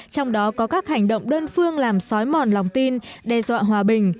trong đó có các hành động đơn phương làm xói mòn lòng tin đe dọa hòa bình